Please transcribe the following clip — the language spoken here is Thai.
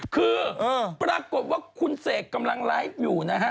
คือปรากฏว่าคุณเสกกำลังไลฟ์อยู่นะฮะ